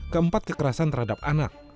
keempat kekerasan terhadap anak